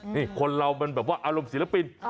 นี่คนเรามันแบบว่าอารมณ์ศิลปิน